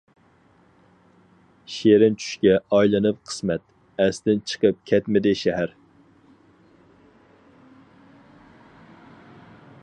شېرىن چۈشكە ئايلىنىپ قىسمەت، ئەستىن چىقىپ كەتمىدى شەھەر.